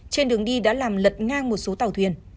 trên đường đi đã làm lật ngang một số tàu thuyền